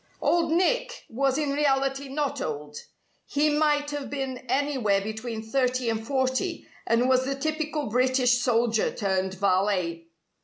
"Old Nick" was in reality not old. He might have been anywhere between thirty and forty, and was the typical British soldier turned valet.